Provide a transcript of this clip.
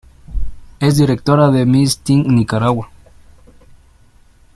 Es directora de Miss Teen Nicaragua.